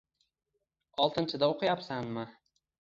Oltinchida oʻqiyapsanmi?